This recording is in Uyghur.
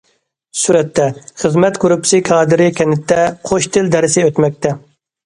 سۈرەتتە: خىزمەت گۇرۇپپىسى كادىرى كەنتتە« قوش تىل» دەرسى ئۆتمەكتە.